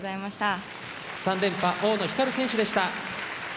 ３連覇、大野ひかる選手でした。